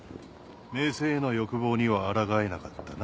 名声への欲望にはあらがえなかったな。